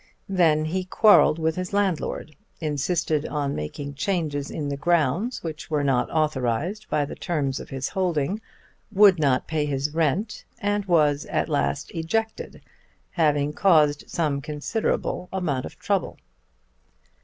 Then he quarrelled with his landlord, insisted on making changes in the grounds which were not authorised by the terms of his holding, would not pay his rent, and was at last ejected, having caused some considerable amount of trouble.